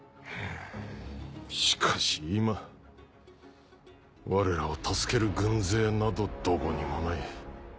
しかし今我らを助ける軍勢などどこにもない。